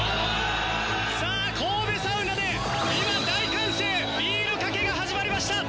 さあ、神戸サウナで今、大歓声、ビールかけが始まりました。